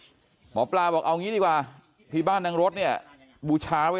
เหลือเกินหมอปราห์บอกเอานี้ดีกว่าทีบ้านนังรถเนี่ยบูช้าไว้